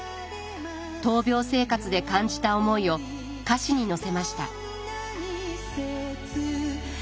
闘病生活で感じた思いを歌詞に乗せました。